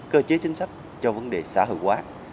cơ chế chính sách cho vấn đề xã hội hóa